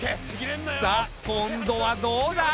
さあ今度はどうだ？